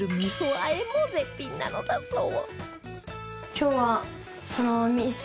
和えも絶品なのだそう